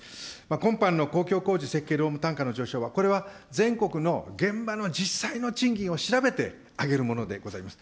今般の公共工事設計労務単価の上昇は、これは全国の現場の実際の賃金を調べ上げるものでございます。